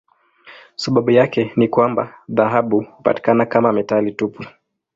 Sababu yake ni kwamba dhahabu hupatikana kama metali tupu.